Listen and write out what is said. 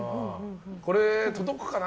これ、届くかな。